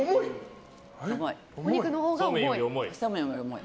お肉のほうが重い。